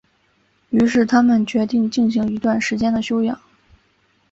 于是他们决定进行一段时间的休养。